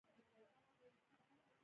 که د درېیم ځل لپاره به یې څوک نیوه